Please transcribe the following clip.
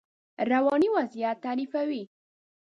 رواني وضعیت تعریفوي.